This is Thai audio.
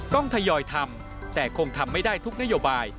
ทยอยทำแต่คงทำไม่ได้ทุกนโยบาย